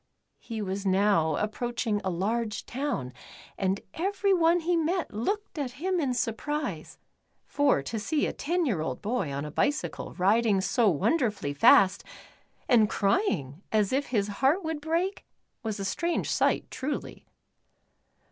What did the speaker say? He was now approaching a large town and every one he met looked at him in surprise, for to see a ten year old boy on a bicycle riding so wonderfully fast, and crying as if his heart would break, was a strange sight truly.